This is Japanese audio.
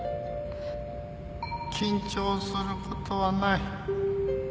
緊張することはない。